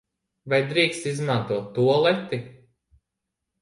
Vai drīkst izmantot tualeti?